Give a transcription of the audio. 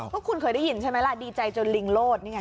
ว่าคุณเคยได้ยินใช่ไหมล่ะดีใจจนลิงโลดนี่ไง